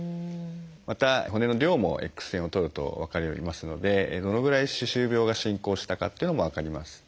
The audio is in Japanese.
また骨の量もＸ線を撮ると分かりますのでどのぐらい歯周病が進行したかっていうのも分かります。